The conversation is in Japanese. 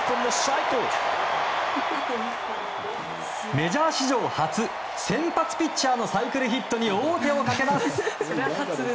メジャー史上初先発ピッチャーのサイクルヒットに王手をかけます。